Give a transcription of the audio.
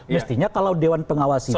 mestinya kalau dewan pengawas itu